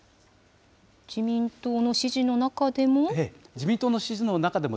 自民党の支持の中でも。